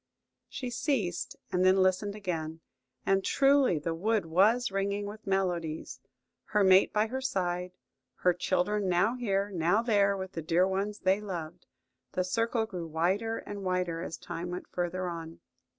She ceased, and then listened again, and truly the wood was ringing with melodies: her mate by her side; her children now here, now there with the dear ones they loved. The circle grew wider and wider as time went further on.